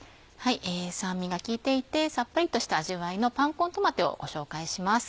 酸味が効いていてさっぱりとした味わいのパンコントマテをご紹介します。